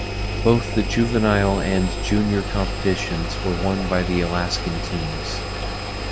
Both the juvenile and junior competitions were won by the Alaskan teams.